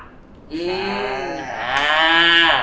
อืมอ่า